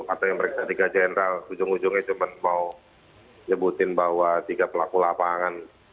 atau yang meriksa tiga jenderal ujung ujungnya cuma mau nyebutin bahwa tiga pelaku lapangan